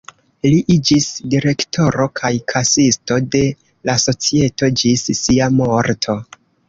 Li iĝis direktoro kaj kasisto de la societo ĝis sia morto.